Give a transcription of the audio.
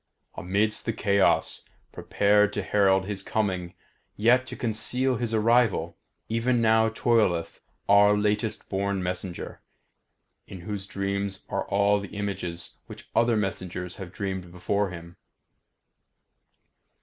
Amidst this chaos, prepared to herald his coming yet to conceal his arrival, even now toileth our latest born messenger, in whose dreams are all the images which other messengers have dreamed before him.